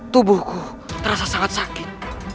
tubuhku terasa sangat sakit